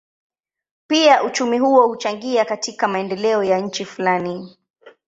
Pia uchumi huo huchangia katika maendeleo ya nchi fulani.